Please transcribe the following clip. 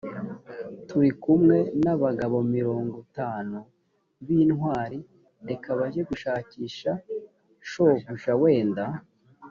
turi kumwe n abagabo mirongo itanu b intwari reka bajye gushakisha shobuja wenda